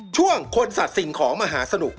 ช่วงคนสัตว์สิ่งของมหาสนุก